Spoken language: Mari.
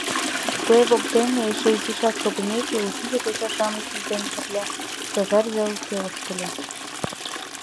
Куэ воктене эше изишак шогымеке, учитель йоча-шамыч дене пырля Стожар велке ошкыльо.